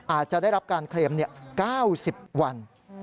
อาจจะได้รับการเคลม๙๐วัน